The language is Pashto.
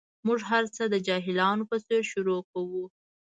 موږ هر څه د جاهلانو په څېر شروع کوو.